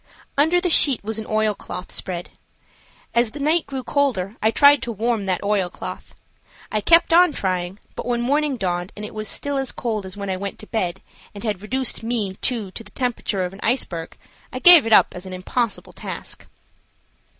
Under the sheet was an oilcloth spread. As the night grew colder I tried to warm that oilcloth. I kept on trying, but when morning dawned and it was still as cold as when I went to bed, and had reduced me too, to the temperature of an iceberg, I gave it up as an impossible task.